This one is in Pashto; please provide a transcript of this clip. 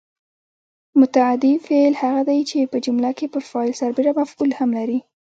متعدي فعل هغه دی چې په جمله کې پر فاعل سربېره مفعول هم لري.